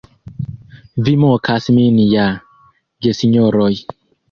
Vi mokas min ja, gesinjoroj!